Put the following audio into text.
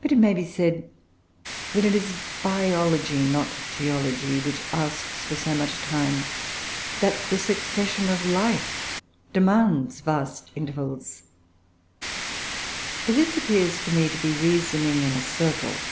But, it may be said, that it is biology, and not geology, which asks for so much time that the succession of life demands vast intervals; but this appears to me to be reasoning in a circle.